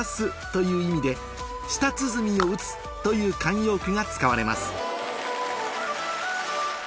という意味で「舌鼓を打つ」という慣用句が使われます